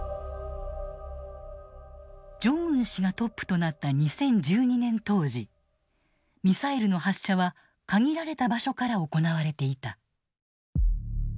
ジョンウン氏がトップとなった２０１２年当時ミサイルの発射は限られた場所から行われていた。